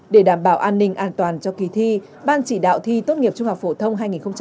để đảm bảo an ninh an toàn cho kỳ thi ban chỉ đạo thi tốt nghiệp trung học phổ thông hai nghìn hai mươi